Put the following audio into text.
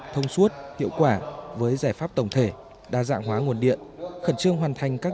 thông suốt hiệu quả với giải pháp tổng thể đa dạng hóa nguồn điện khẩn trương hoàn thành các